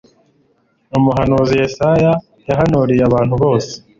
Umuhanuzi Yesaya yahanuriye abantu bose